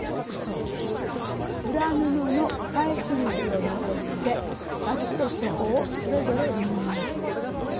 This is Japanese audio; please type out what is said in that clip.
裏布の返し口を残してわきと底をそれぞれ縫います。